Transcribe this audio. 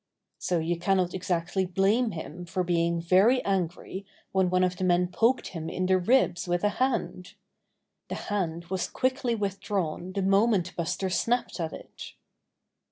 So you cannot exactly blame him for being very angry when one of the men poked him in the ribs with a hand. The hand was quickly withdrawn the moment Buster snapped at it.